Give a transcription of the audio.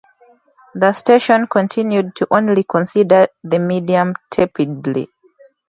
The station continued to only consider the medium tepidly.